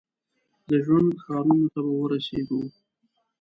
د ژوند ښارونو ته به ورسیږي ؟